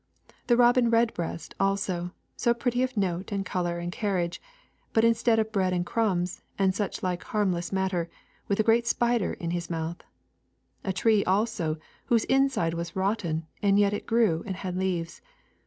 The robin red breast also, so pretty of note and colour and carriage, but instead of bread and crumbs, and such like harmless matter, with a great spider in his mouth. A tree also, whose inside was rotten, and yet it grew and had leaves.